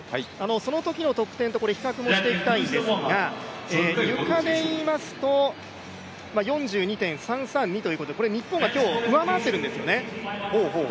そのときの得点と比較をしていきたいんですが、ゆかでいいますと４２．３３２ということで日本が今日、上回っているんですよね。